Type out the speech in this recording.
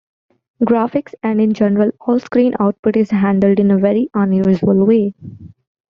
Graphics and in general all screen output is handled in a very unusual way.